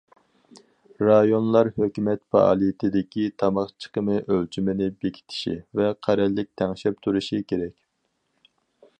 رايونلار ھۆكۈمەت پائالىيىتىدىكى تاماق چىقىمى ئۆلچىمىنى بېكىتىشى ۋە قەرەللىك تەڭشەپ تۇرۇشى كېرەك.